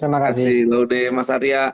terima kasih laude mas arya